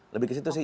lebih ke situ sih